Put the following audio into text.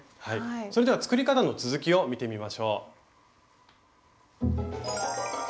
それでは作り方の続きを見てみましょう。